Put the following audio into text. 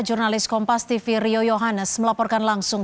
jurnalis kompas tv rio yohanes melaporkan langsung